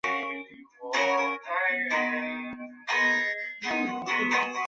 这个作用会增加这些神经递质在突触间隙的浓度。